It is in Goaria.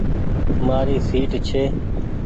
مآري سيٽ ڇي۔